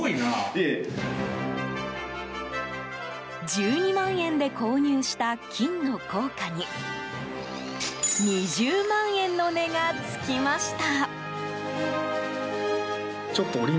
１２万円で購入した金の硬貨に２０万円の値が付きました。